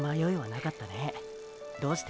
どうして？